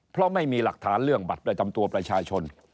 เพราะไม่มีหลักฐานเรื่องบัตรประจำตัวประชาชน